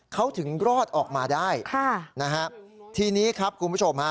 เขาถึงรอดออกมาได้ทีนี้ครับคุณผู้ชม